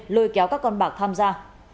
lôi kéo các con bạc tham gia